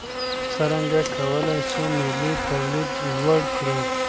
څرنګه کولای سو ملي توليد لوړ کړو؟